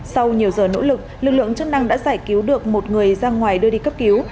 sau nhiều giờ nỗ lực lực lượng chức năng đã giải cứu được một người ra ngoài đưa đi cấp cứu